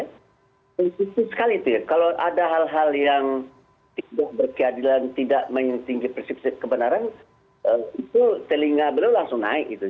tentu sekali itu ya kalau ada hal hal yang tidak berkeadilan tidak mentinggi prinsip kebenaran itu telinga beliau langsung naik gitu